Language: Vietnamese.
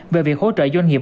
về việc hỗ trợ doanh nghiệp